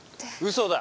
嘘だ！